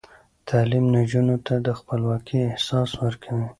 تعلیم نجونو ته د خپلواکۍ احساس ورکوي.